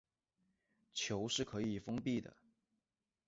球可以是封闭的。